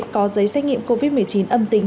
có giấy xét nghiệm covid một mươi chín âm tính